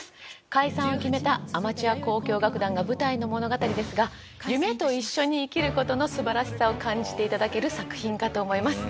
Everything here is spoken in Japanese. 解散を決めたアマチュア交響楽団が舞台の物語ですが夢と一緒に生きる事の素晴らしさを感じて頂ける作品かと思います。